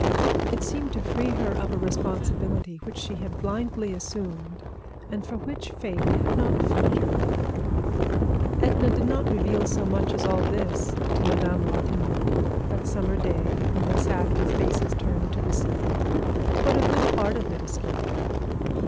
It seemed to free her of a responsibility which she had blindly assumed and for which Fate had not fitted her. Edna did not reveal so much as all this to Madame Ratignolle that summer day when they sat with faces turned to the sea. But a good part of it escaped her.